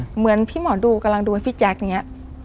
เหมือนพี่หมอดูกำลังดูให้พี่แจ๊คอย่างนี้